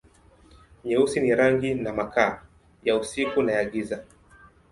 Nyeusi ni rangi na makaa, ya usiku na ya giza.